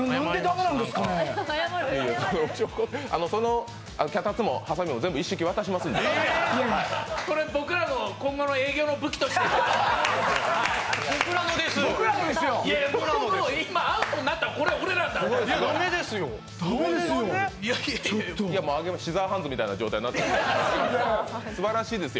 これ、僕らの今後の営業の武器として僕らのです。